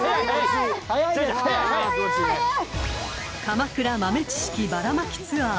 ［鎌倉豆知識バラまきツアー